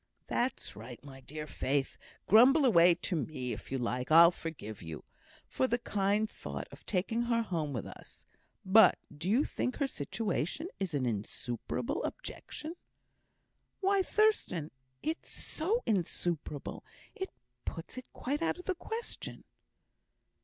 "That's right, my dear Faith! Grumble away to me, if you like. I'll forgive you, for the kind thought of taking her home with us. But do you think her situation is an insuperable objection?" "Why, Thurstan! it's so insuperable, it puts it quite out of the question."